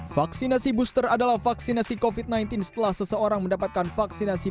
vaksinasi booster adalah vaksinasi covid sembilan belas setelah seseorang mendapatkan vaksinasi